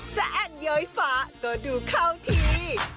จะแอดเย้ยฝาก็ดูเข้าที